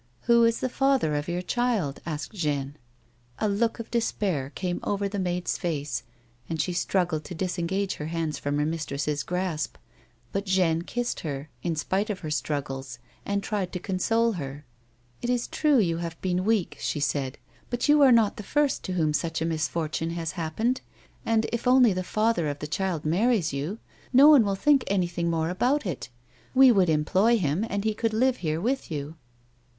Who is the father of your child ?" asked Jeanne. A look of despair came over the maid's face, and she st ruggled to disengage her hands from her mistress's grasp 102 A WOMAN'S LIFE. but Jeanne kissed her, in spite of her struggles, and tried to console her. " It is true you have been weak," she said, " but you are not the first to whom such a misfortune has happened, and, if only the father of the child marries you, no one will think anything more about it ; we would employ him, and he could live here with you."